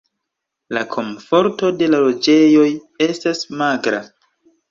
La komforto de la loĝejoj estas magra.